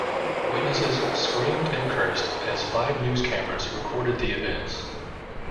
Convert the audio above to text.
Witnesses screamed and cursed as five news cameras recorded the events.